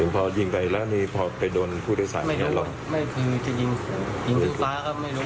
เพราะว่ามาดูข่าวตอนเช้ารู้ว่ายิงโดนรถรัดเงิน